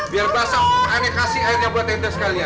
biar basah ane kasih airnya buat ente sekalian